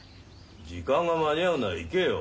時間が間に合うなら行けよ。